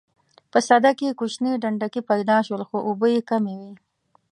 په سده کې کوچني ډنډکي پیدا شول خو اوبه یې کمې وې.